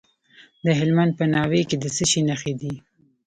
د هلمند په ناوې کې د څه شي نښې دي؟